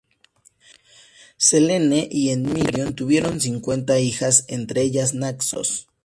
Selene y Endimión tuvieron cincuenta hijas, entre ellas Naxos.